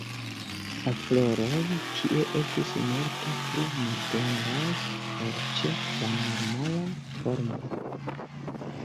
La floroj tie estis multe pli malgrandaj ol ĉe la normala formo.